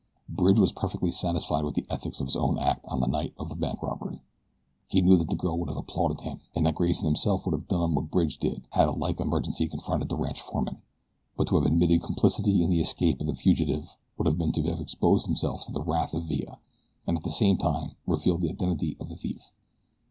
Bridge was perfectly satisfied with the ethics of his own act on the night of the bank robbery. He knew that the girl would have applauded him, and that Grayson himself would have done what Bridge did had a like emergency confronted the ranch foreman; but to have admitted complicity in the escape of the fugitive would have been to have exposed himself to the wrath of Villa, and at the same time revealed the identity of the thief.